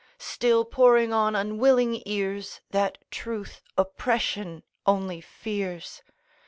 Still pouring on unwilling ears That truth oppression only fears.